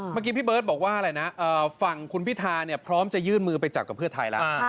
เมื่อกี้พี่เบิร์ตบอกว่าอะไรนะฝั่งคุณพิธาเนี่ยพร้อมจะยื่นมือไปจับกับเพื่อไทยแล้ว